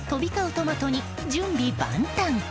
トマトに準備万端。